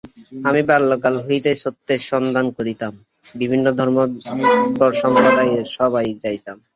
আমি বাল্যকাল হইতেই সত্যের সন্ধান করিতাম, বিভিন্ন ধর্মসম্প্রদায়ের সভায় যাইতাম।